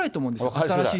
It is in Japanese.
新しい。